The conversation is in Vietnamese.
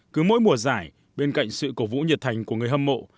cứ mỗi mùa giải bên cạnh sự cổ vũ nhiệt thành của người hâm mộ